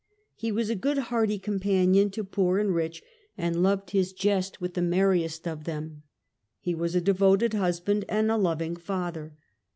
He was a good hearty companion to poor and rich, and loved his jest with the merriest of them. He was a devoted husband and a loving father.